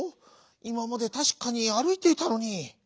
いままでたしかにあるいていたのに」。